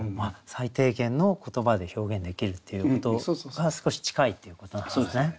最低限の言葉で表現できるっていうことが少し近いっていうことなんですね。